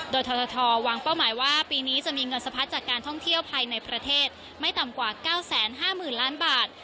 โดยททวางเป้าหมายว่าปีนี้จะมีเงินสะพัดจากการท่องเที่ยวภายในประเทศไม่ต่ำกว่า๙๕๐๐๐ล้านบาท